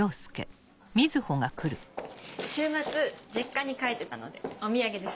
週末実家に帰ってたのでお土産です。